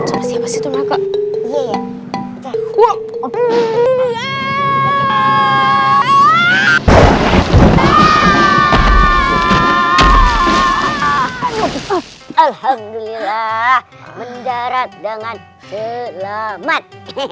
alhamdulillah mendarat dengan selamat